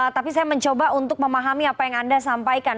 tapi saya mencoba untuk memahami apa yang anda sampaikan